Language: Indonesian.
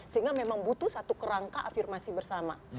sehingga memang butuh satu kerangka afirmasi bersama